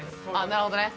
なるほどね